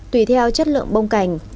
tùy theo chất lượng bông cành